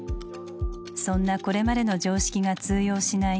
そんなこれまでの常識が通用しない